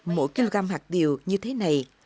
mỗi kg hạt điều như thế này